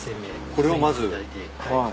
これをまずはい。